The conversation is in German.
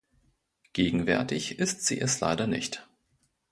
Gegenwärtig ist sie es leider nicht.